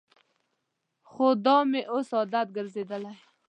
خو دا مې اوس عادت ګرځېدلی.